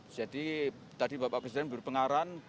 jadi tadi bapak presiden berpengarahan